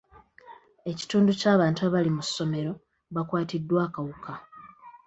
Ekitundu ky'abantu abali mu ssomero bakwatiddwa akawuka.